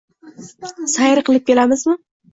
Sayr qilib kelamizmi?